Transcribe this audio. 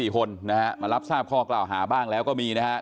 ๔คนนะฮะมารับทราบข้อกล่าวหาบ้างแล้วก็มีนะครับ